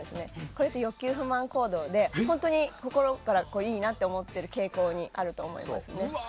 これって欲求不満行動で本当に心からいいなって思ってる傾向にあると思いますね。